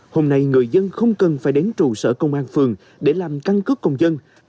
hôm nay người dân không cần phải đến trụ sở công an phường để làm căn cước công dân